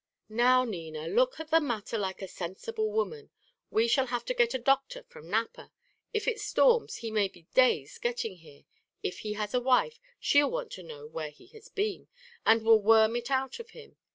"Now, Nina, look at the matter like a sensible woman. We shall have to get a doctor from Napa. If it storms, he may be days getting here. If he has a wife, she'll want to know where he has been, and will worm it out of him.